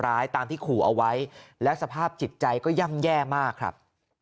ตามที่ขู่เอาไว้และสภาพจิตใจก็ย่ำแย่มากครับ